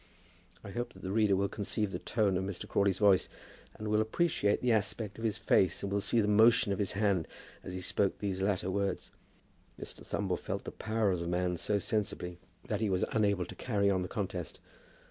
I hope that the reader will conceive the tone of Mr. Crawley's voice, and will appreciate the aspect of his face, and will see the motion of his hand, as he spoke these latter words. Mr. Thumble felt the power of the man so sensibly that he was unable to carry on the contest.